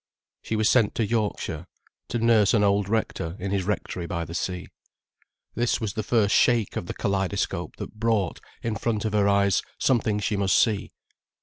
She was sent to Yorkshire, to nurse an old rector in his rectory by the sea. This was the first shake of the kaleidoscope that brought in front of her eyes something she must see.